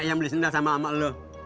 yang beli sendal sama ama lo